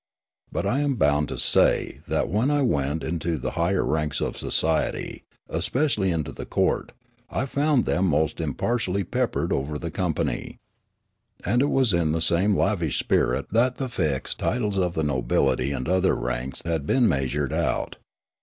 But I am bound to say that, when I went into the higher ranks of society, especially into the court, I found them most impartially peppered over the company. And it was in the same lavish spirit that the fixed titles of the nobility and other ranks had been measured out.